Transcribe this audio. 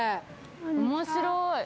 面白い。